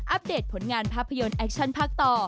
เดตผลงานภาพยนตร์แอคชั่นภาคต่อ